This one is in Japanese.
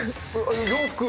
洋服？